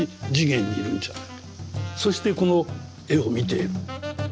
そしてこの絵を見ている。